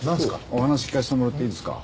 お話聞かせてもらっていいですか？